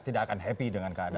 tidak akan happy dengan keadaan